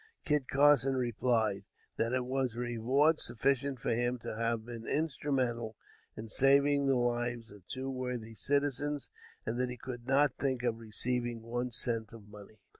Kit Carson replied, "that it was reward sufficient for him to have been instrumental in saving the lives of two worthy citizens, and that he could not think of receiving one cent of money."